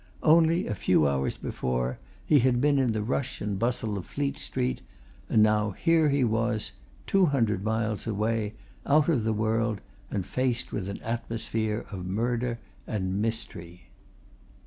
Only a few hours before, he had been in the rush and bustle of Fleet Street, and now, here he was, two hundred miles away, out of the world, and faced with an atmosphere of murder and mystery.